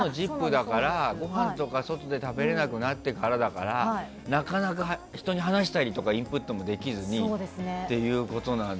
だからごはんとか外で食べれなくなってからだからなかなか人に話したりとかインプットもできずにっていうことなんだ。